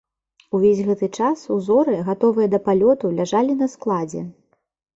Увесь гэты час ўзоры, гатовыя да палёту, ляжалі на складзе.